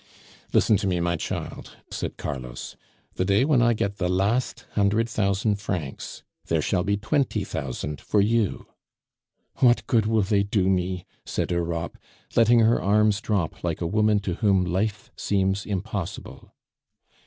"Listen to me, my child," said Carlos. "The day when I get the last hundred thousand francs, there shall be twenty thousand for you." "What good will they do me?" said Europe, letting her arms drop like a woman to whom life seems impossible.